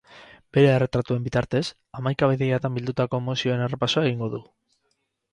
Bere erretratuen bitartez, hamaika bidaiatan bildutako emozioen errepasoa egingo du.